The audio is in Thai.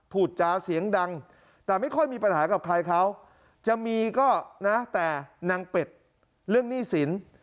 พูดจาเสียงดังแต่ไม่ค่อยมีปัญหากับใครเขาจะมีก็นะแต่นางเป็ดเรื่องหนี้สิน